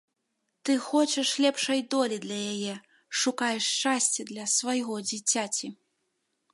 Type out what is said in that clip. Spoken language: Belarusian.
Ты хочаш лепшай долі для яе, шукаеш шчасця для свайго дзіцяці.